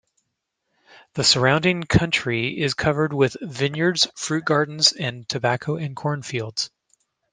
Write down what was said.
The surrounding country is covered with vineyards, fruit gardens, and tobacco and corn fields.